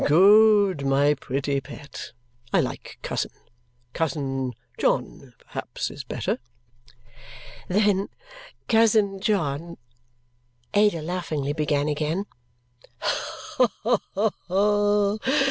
"Good, my pretty pet. I like cousin. Cousin John, perhaps, is better." "Then, cousin John " Ada laughingly began again.